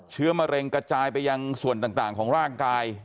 มะเร็งกระจายไปยังส่วนต่างของร่างกาย